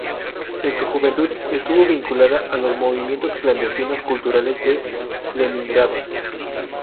En su juventud estuvo vinculada a los movimientos clandestinos culturales de Leningrado.